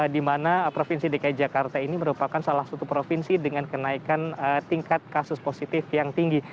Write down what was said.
di mana provinsi dki jakarta ini merupakan salah satu provinsi dengan kenaikan tingkat kasus positif yang tinggi